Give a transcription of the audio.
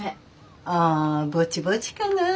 ああぼちぼちかな。